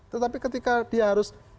tetapi ketika dia harus